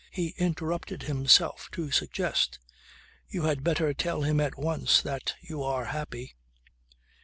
He interrupted himself to suggest: "You had better tell him at once that you are happy."